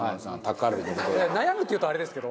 悩むって言うとあれですけど。